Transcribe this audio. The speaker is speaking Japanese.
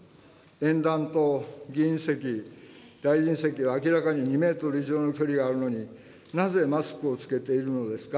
演壇と議員席、大臣席は明らかに２メートル以上の距離があるのに、なぜマスクを着けているのですか。